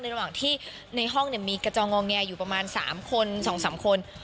ระหว่างที่ในห้องมีกระจองงอแงอยู่ประมาณ๓คน๒๓คน